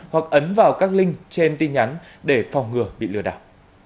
hoặc ấn vào các link trên tin nhắn để phòng ngừa bị lừa đảo